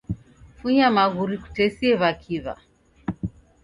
Funya maghuri kutesie w'akiw'a